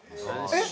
えっ？